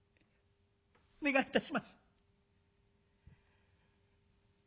お願いいたします」。